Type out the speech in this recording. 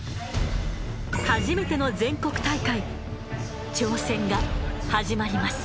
初めての全国大会挑戦が始まります。